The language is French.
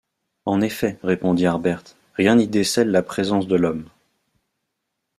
En effet, répondit Harbert, rien n’y décèle la présence de l’homme